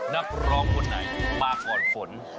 นักร้องคนไหนมาก่อนฝน